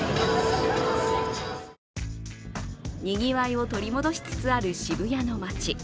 にぎわいを取り戻しつつある渋谷の街。